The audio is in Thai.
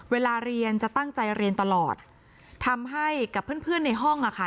เวลาเรียนจะตั้งใจเรียนตลอดทำให้กับเพื่อนเพื่อนในห้องอ่ะค่ะ